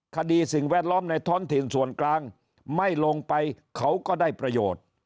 สิ่งแวดล้อมในท้องถิ่นส่วนกลางไม่ลงไปเขาก็ได้ประโยชน์